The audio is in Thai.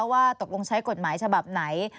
ว่าตกลงใช้กฎหมายฉบับไหน